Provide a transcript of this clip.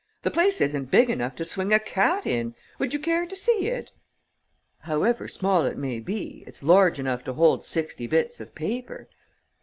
The place isn't big enough to swing a cat in. Would you care to see it?" "However small it may be, it's large enough to hold sixty bits of paper."